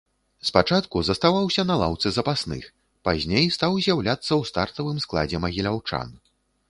Спачатку заставаўся на лаўцы запасных, пазней стаў з'яўляцца ў стартавым складзе магіляўчан.